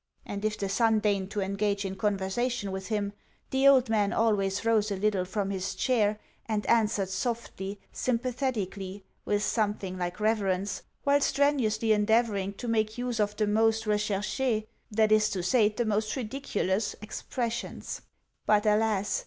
And if the son deigned to engage in conversation with him, the old man always rose a little from his chair, and answered softly, sympathetically, with something like reverence, while strenuously endeavouring to make use of the most recherche (that is to say, the most ridiculous) expressions. But, alas!